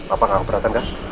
apa gak aku pernah datang gak